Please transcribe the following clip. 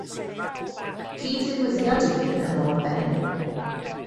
Cyd-ddigwyddiad yw hyn yn ôl Ben.